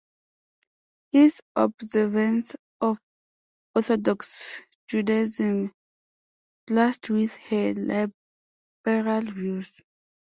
His observance of orthodox Judaism clashed with her liberal views.